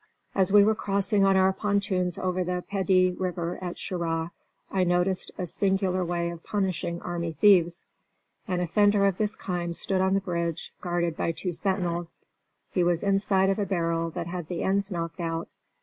As we were crossing on our pontoons over the Pedee River at Cheraw I noticed a singular way of punishing army thieves. An offender of this kind stood on the bridge, guarded by two sentinels. He was inside of a barrel that had the ends knocked out.